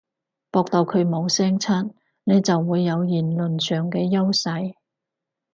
駁到佢冇聲出，你就會有言論上嘅優勢